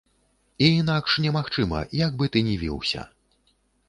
І інакш немагчыма, як бы ты ні віўся.